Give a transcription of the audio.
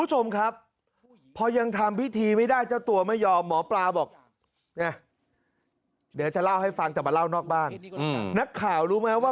ตอนนี้มานั่งคิดก็ไม่นานเลยนะครับ